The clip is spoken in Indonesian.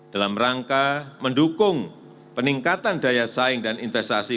dalam rangka mendukung peningkatan daya saing dan investasi